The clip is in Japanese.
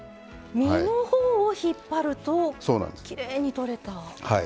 身のほうを引っ張るときれいに取れた。